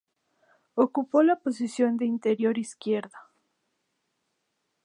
Ocupó la posición de interior izquierdo.